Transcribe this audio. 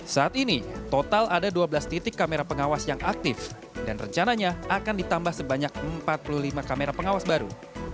saat ini total ada dua belas titik kamera pengawas yang aktif dan rencananya akan ditambah sebanyak empat puluh lima kamera pengawas baru